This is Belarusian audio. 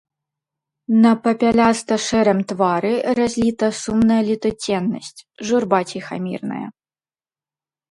На папяляста-шэрым твары разліта сумная летуценнасць, журба ціхамірная.